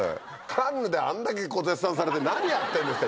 カンヌであんだけ絶賛されて、何やってんですか？